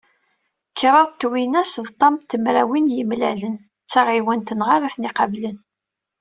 Kraḍ twinas d ṭam tmerwin yimelyan, d taɣiwan-nneɣ ara ten-iqablen.